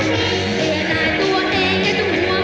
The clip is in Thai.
ไม่ลองไม่ออกมันเปิด